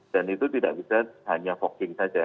dan itu tidak bisa hanya fogging saja